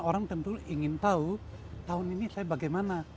orang tentu ingin tahu tahun ini saya bagaimana